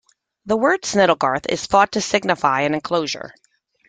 The word "Snittlegarth" is thought to signify an enclosure.